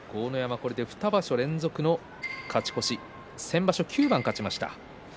これで２場所連続の勝ち越し先場所９番勝ちました。